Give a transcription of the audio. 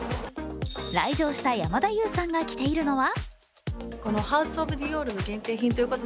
来場した山田優さんが着ているのは？